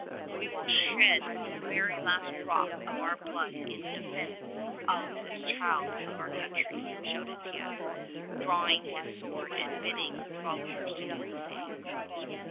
51 "We will shed the very last drop of our blood in defence of this child of ouj* country/' shouted Teit, drawing his sword and bidding his followers do the same.